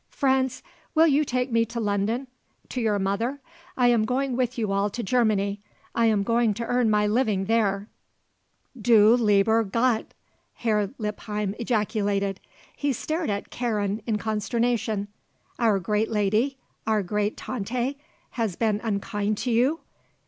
Franz, will you take me to London, to your mother? I am going with you all to Germany. I am going to earn my living there." "Du lieber Gott!" Herr Lippheim ejaculated. He stared at Karen in consternation. "Our great lady our great Tante has been unkind to you?